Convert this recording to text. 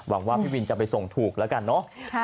หวังว่าพี่วินจะไปส่งถูกแล้วกันเนอะ